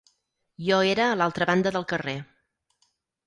Jo era a l'altra banda del carrer